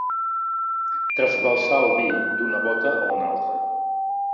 Trasbalsar el vi d'una bota a una altra.